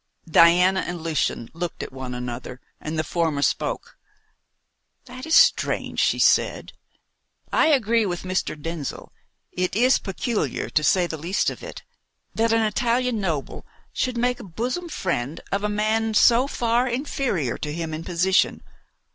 Diana and Lucian looked at one another, and the former spoke: "That is strange," she said. "I agree with Mr. Denzil, it is peculiar, to say the least of it, that an Italian noble should make a bosom friend of a man so far inferior to him in position.